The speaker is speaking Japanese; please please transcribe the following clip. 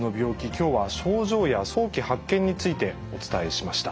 今日は症状や早期発見についてお伝えしました。